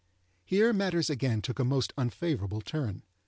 Here matters again took a most unfavourable turn.